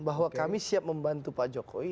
bahwa kami siap membantu pak jokowi